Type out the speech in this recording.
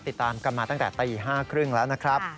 ติดตามกันมาตั้งแต่ตี๕๓๐แล้วนะครับ